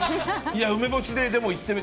梅干しでいってみる。